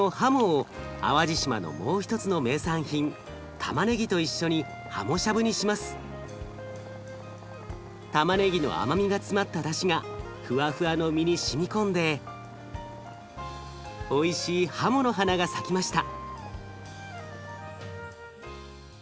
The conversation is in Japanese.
たまねぎの甘みが詰まっただしがふわふわの身にしみ込んでおいしいハモの花が咲きました。